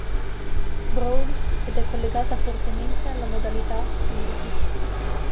Brawl" ed è collegata fortemente alla modalità "Spiriti.